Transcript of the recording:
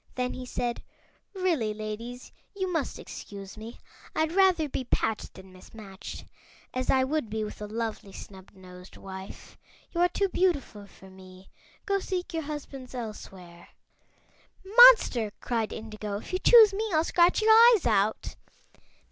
Then he said: "Really, ladies, you must excuse me. I'd rather be patched than mismatched, as I would be with a lovely snubnosed wife. You are too beautiful for me; go seek your husbands elsewhere." "Monster!" cried Indigo; "if you choose me I'll scratch your eyes out!"